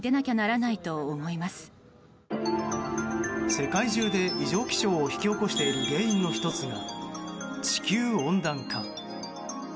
世界中で異常気象を引き起こしている原因の１つが地球温暖化。